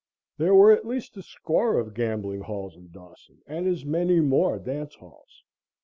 There were at least a score of gambling halls in Dawson and as many more dance halls.